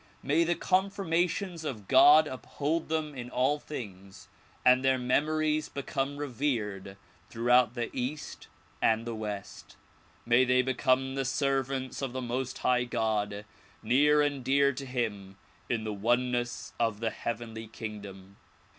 May the confirmations of God uphold them in all things and their memories become revered throughout the east and the west. May they become the servants of the Most High God, near and dear to him in the oneness of the heavenly kingdom.